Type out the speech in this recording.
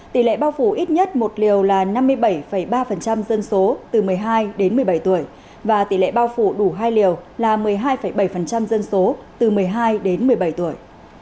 tỷ lệ bao phủ ít nhất một liều là năm mươi bảy ba dân số từ một mươi hai đến một mươi bảy tuổi và tỷ lệ bao phủ đủ hai liều là một mươi hai bảy dân số từ một mươi hai đến một mươi bảy tuổi